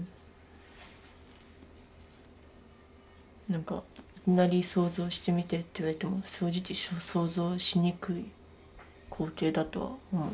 何かいきなり想像してみてと言われても正直想像しにくい光景だとは思う。